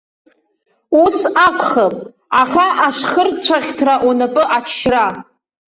Ус акәхап, аха ашхырцәаӷьҭра унапы аҭшьра.